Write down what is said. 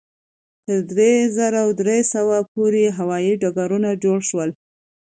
تر درې زره درې سوه پورې هوایي ډګرونه جوړ شول.